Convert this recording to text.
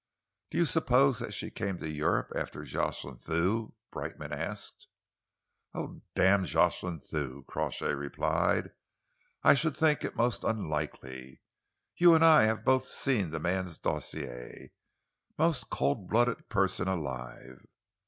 "Do you suppose that she came to Europe after Jocelyn Thew?" Brightman asked. "Oh, damn Jocelyn Thew!" Crawshay replied. "I should think it most unlikely. You and I have both seen the man's dossier. Most cold blooded person alive."